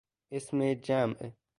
اسم جمع